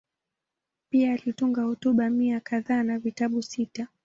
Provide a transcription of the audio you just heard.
Pia alitunga hotuba mia kadhaa na vitabu sita.